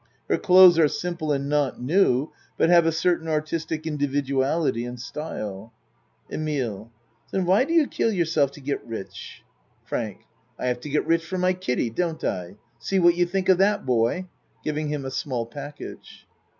Her clothes are simple and not new but have a certain artistic individuality and style.) EMILE Zen why do you kill yourself to get rich ? ACT I 19 FRANK I have to get rich for my Kiddie, don't I? See what you think of that, boy. (Giving him a small package.)